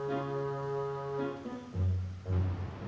ubed bilang kamu marah sama dia